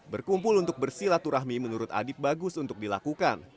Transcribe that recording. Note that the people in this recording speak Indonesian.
berkumpul untuk bersilaturahmi menurut adib bagus untuk dilakukan